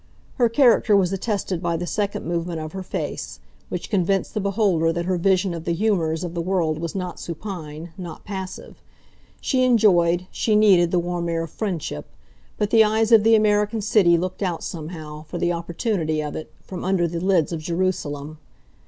Her character was attested by the second movement of her face, which convinced the beholder that her vision of the humours of the world was not supine, not passive. She enjoyed, she needed the warm air of friendship, but the eyes of the American city looked out, somehow, for the opportunity of it, from under the lids of Jerusalem.